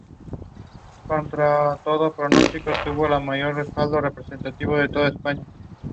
The release has received mildly positive reviews.